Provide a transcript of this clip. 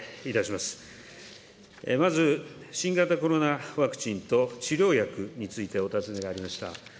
まず、新型コロナワクチンと、治療薬についてお尋ねがありました。